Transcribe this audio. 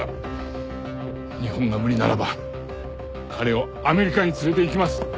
日本が無理ならば彼をアメリカに連れて行きます。